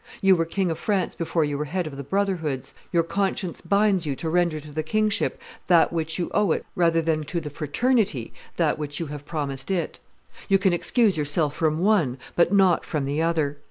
You were King of France before you were head of the brotherhoods; your conscience binds you to render to the kingship that which you owe it rather than to the fraternity that which you have promised it. You can excuse yourself from one, but not from the other.